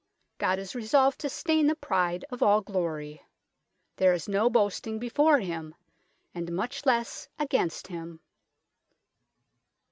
God is resolved to staine the pride of all glory ; there is no boasting before Him, and much lesse against Him."